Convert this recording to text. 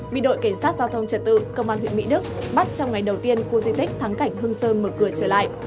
bị đội cảnh sát giao thông trật tự công an huyện mỹ đức bắt trong ngày đầu tiên khu di tích thắng cảnh hương sơn mở cửa trở lại